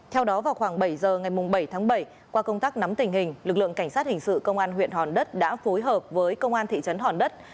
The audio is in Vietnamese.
theo đó vào khoảng bảy giờ ngày bảy tháng bảy qua công tác nắm tình hình lực lượng cảnh sát hình sự công an huyện hòn đất đã phối hợp với công an thị trấn hòn đất